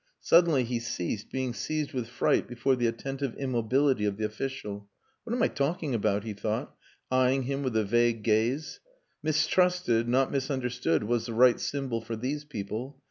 Suddenly he ceased, being seized with fright before the attentive immobility of the official. "What am I talking about?" he thought, eyeing him with a vague gaze. Mistrusted not misunderstood was the right symbol for these people.